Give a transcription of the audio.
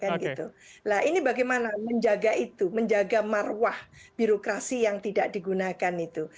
nah ini bagaimana menjaga itu menjaga marwah birokrasi yang tidak digunakan itu